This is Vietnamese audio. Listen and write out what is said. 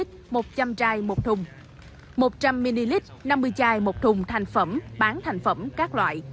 một trăm linh chai một thùng một trăm linh ml năm mươi chai một thùng thành phẩm bán thành phẩm các loại